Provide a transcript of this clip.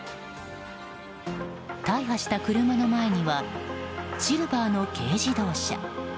大破した車の前にはシルバーの軽自動車。